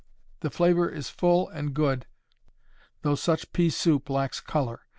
The flavor is full and good, though such pea soup lacks color.